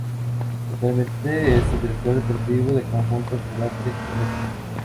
Actualmente es director deportivo del conjunto Polartec-Kometa.